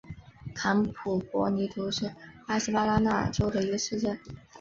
坎普博尼图是巴西巴拉那州的一个市镇。